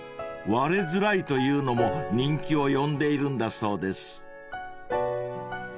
［割れづらいというのも人気を呼んでいるんだそうです］